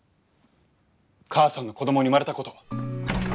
母さんの子供に生まれたこと。